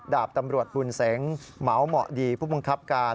ดาบตำรวจบุญเสงเหมาเหมาะดีผู้บังคับการ